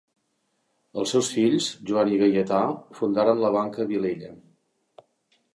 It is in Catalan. Els seus fills, Joan i Gaietà, fundaren la Banca Vilella.